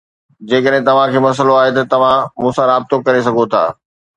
جيڪڏهن توهان کي مسئلو آهي ته توهان مون سان رابطو ڪري سگهو ٿا